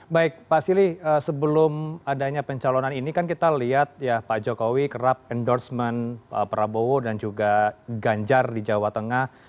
baik pak sili sebelum adanya pencalonan ini kan kita lihat ya pak jokowi kerap endorsement prabowo dan juga ganjar di jawa tengah